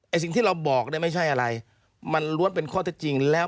สิ่งที่เราบอกเนี่ยไม่ใช่อะไรมันล้วนเป็นข้อเท็จจริงแล้ว